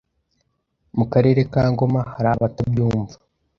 Mu karere ka Ngoma hari abatabyumva